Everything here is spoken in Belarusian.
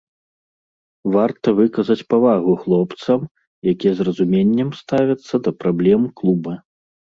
Варта выказаць павагу хлопцам, якія з разуменнем ставяцца да праблем клуба.